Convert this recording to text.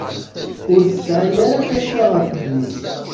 Ur tesɛi ara tasa ɣef mmi-s.